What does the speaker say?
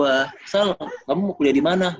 asal kamu mau kuliah di mana